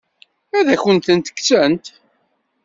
Ad akent-ten-kksent?